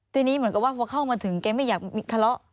ทีนี้เหมือนกับว่าพอเข้ามาถึงแกไม่อยากมีทะเลาะ